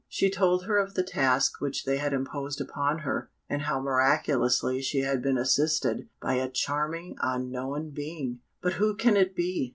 She told her of the task which they had imposed upon her, and how miraculously she had been assisted by a charming unknown being! "But who can it be?"